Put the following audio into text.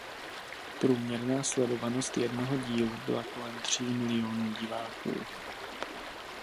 Průměrná sledovanost jednoho dílu byla kolem tří milionů diváků.